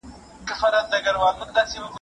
« په مالیدې پسې دالان ته تللې.»